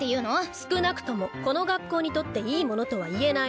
少なくともこの学校にとっていいものとは言えない。